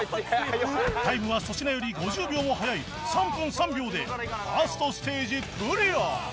タイムは粗品より５０秒も早い３分３秒で １ｓｔ ステージクリア